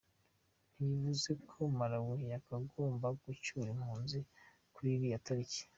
Ntibivuze ko Malawi yagombaga gucyura impunzi kuri iriya tariki.